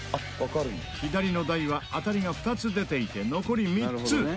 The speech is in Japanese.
左の台は当たりが２つ出ていて残り３つ。